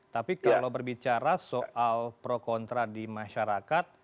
tapi kalau berbicara soal pro kontra di masyarakat